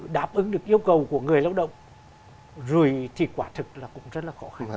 đáp ứng được yêu cầu của người lao động rồi thì quả thực là cũng rất là khó